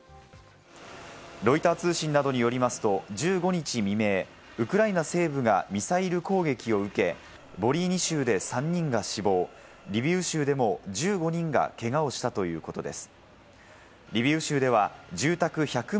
ロイター通信などによりますと、１５日未明、ウクライナ西部がミサイル攻撃を受け、ボリーニ州で３人が死亡、リビウ州でも１５人がけがをしたということです。